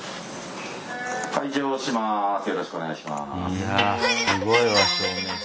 いやすごいわ照明さん。